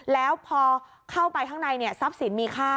แล้วพอเข้าไปข้างในทรัพย์สินมีค่า